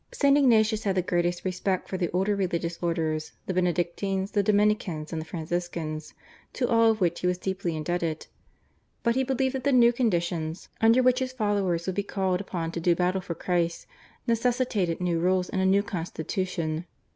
St. Ignatius had the greatest respect for the older religious orders, the Benedictines, the Dominicans, and the Franciscans, to all of which he was deeply indebted; but he believed that the new conditions under which his followers would be called upon to do battle for Christ necessitated new rules and a new constitution.